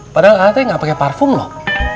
padahal acing gak pake parfum loh